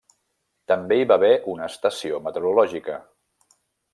També hi va haver una estació meteorològica.